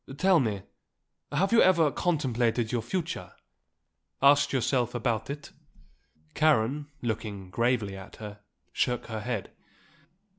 Tell me; have you ever contemplated your future? asked yourself about it?" Karen, looking gravely at her, shook her head.